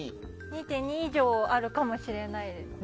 ２．２以上あるかもしれないです。